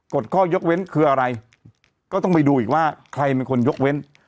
ข้อยกเว้นคืออะไรก็ต้องไปดูอีกว่าใครเป็นคนยกเว้น